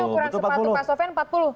katanya ukuran sepatu pak sofian empat puluh